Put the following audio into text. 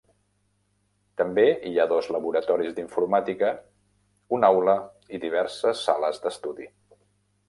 També hi ha dos laboratoris d'informàtica, una aula i diverses sales d'estudi.